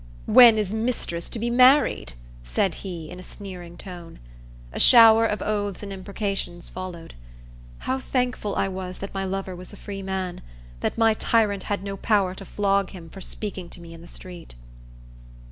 "When is mistress to be married?" said he, in a sneering tone. A shower of oaths and imprecations followed. How thankful I was that my lover was a free man! that my tyrant had no power to flog him for speaking to me in the street!